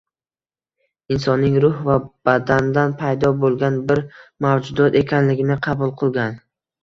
Insonning ruh va badandan paydo bo'lgan bir mavjudot ekanlngini qabul qilgan